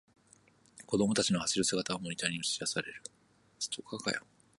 子供たちの走る姿がモニターに映しだされる